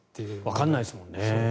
わからないですもんね。